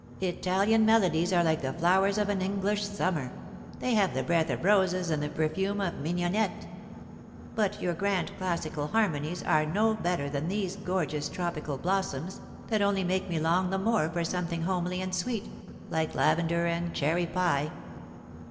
Italian melodies are like the flowers of an English summer. They have the breath of roses and the perfume of mignonette. But your grand classical harmonies are no better than these gorgeous tropical blossoms, that only make me long the more for something homely and sweet, like lavender and cherry pie.'